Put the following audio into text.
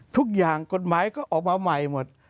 ทุกอย่างกฎหมายก็ออกมาใหม่หมด